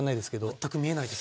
全く見えないですけどね。